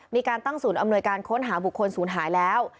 มีการตั้งศูนย์อำนวยการค้นหาบุคคลศูนย์หายแล้ว